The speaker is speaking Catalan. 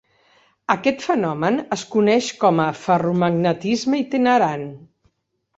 Aquest fenomen es coneix com a "ferromagnetisme itinerant".